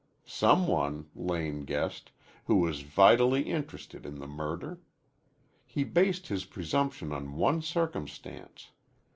Some one, Lane guessed, who was vitally interested in the murder. He based his presumption on one circumstance.